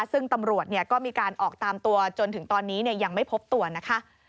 ซึ่งตำรวจก็มีการออกตามตัวจนถึงตอนนี้ยังไม่พบตัวนะคะ